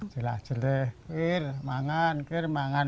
jelah jelah kiri makan kiri makan